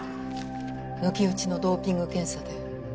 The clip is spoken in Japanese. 抜き打ちのドーピング検査で。